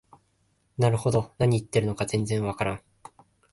なるほど、何言ってるのか全然わからん